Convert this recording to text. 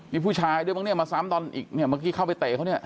มีผู้ชายด้วยมั้งเนี่ยมาซ้ำตอนอีกเนี่ยเมื่อกี้เข้าไปเตะเขาเนี่ย